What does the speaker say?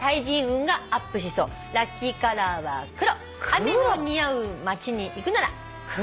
「雨の似合う街に行くなら」「黒」？